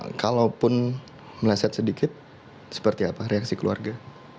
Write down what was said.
nah kalaupun meleset sedikit seperti apa reaksi keluarga